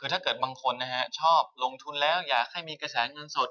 คือถ้าเกิดบางคนชอบลงทุนแล้วอยากให้มีกระแสเงินสด